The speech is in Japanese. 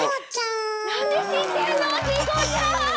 なんで知ってんの⁉チコちゃん！